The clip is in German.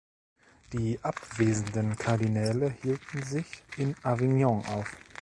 Die abwesenden Kardinäle hielten sich in Avignon auf